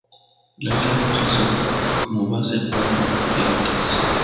La isla fue utilizada como base para los piratas.